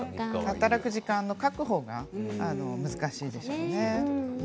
働く時間の確保が難しいでしょうね。